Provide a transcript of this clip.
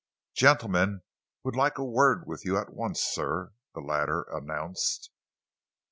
"Gentleman would like a word with you at once, sir," the latter announced.